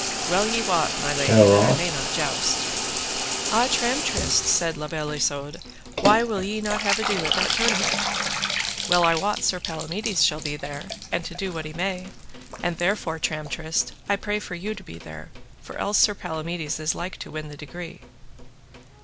well ye wot, my lady, that I may not joust. Ah, Tramtrist, said La Beale Isoud, why will ye not have ado at that tournament? well I wot Sir Palamides shall be there, and to do what he may; and therefore Tramtrist, I pray you for to be there, for else Sir Palamides is like to win the degree.